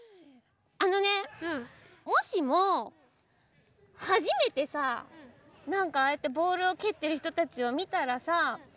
あのねもしもはじめてさなんかああやってボールをけってるひとたちを見たらさ